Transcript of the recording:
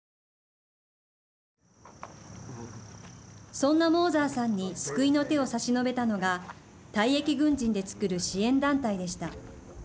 そんなモーザーさんに救いの手を差し伸べたのが退役軍人でつくる支援団体でした。